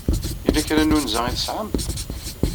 Yella kra n unza ay tesɛam?